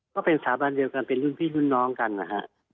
ก็เป็นสถาบันเดียวกันเป็นรุ่นพี่รุ่นน้องกันนะฮะ